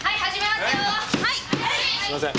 すいません。